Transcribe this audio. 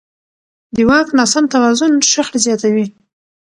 د واک ناسم توازن شخړې زیاتوي